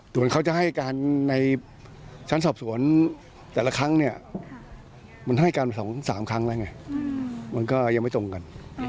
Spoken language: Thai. ส่วนเขาจะให้การในชั้นสอบสวนแต่ละครั้งเนี่ยมันให้การไป๒๓ครั้งแล้วไงมันก็ยังไม่ตรงกัน